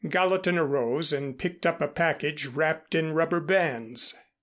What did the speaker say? Gallatin arose and picked up a package wrapped in rubber bands.